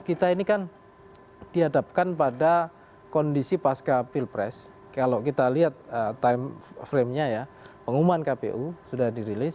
kita ini kan dihadapkan pada kondisi pasca pilpres kalau kita lihat time frame nya ya pengumuman kpu sudah dirilis